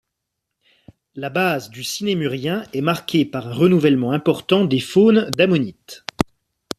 La base du Sinémurien est marquée par un renouvellement important des faunes d’ammonites.